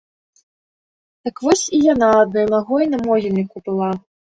Так вось і яна адной нагой на могільніку была.